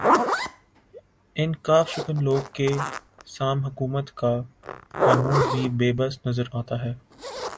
ان ق شکن لوگ کے سام حکومت کا قانون بھی بے بس نظر آتا ہے